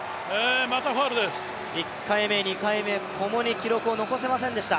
１回目、２回目、ともに記録を残せませんでした。